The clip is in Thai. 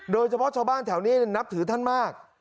โดยเฉพาะชาวบ้านแถวนี้นับถือท่านมาก